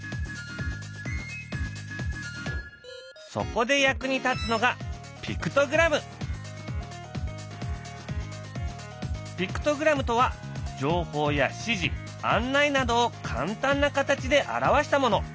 そこで役に立つのがピクトグラムとは情報や指示案内などを簡単な形で表したもの。